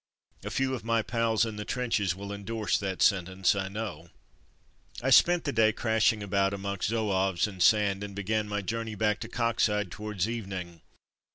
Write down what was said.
A few of my pals in the trenches will endorse that sentence, I know. I spent the day crashing about amongst i82 From Mud to Mufti Zouaves and sand, and began my journey back to Coxyde towards evening.